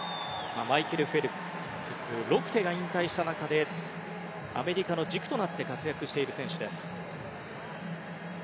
マイケル・フェルプスロクテが引退した中でアメリカの軸となって活躍している選手です。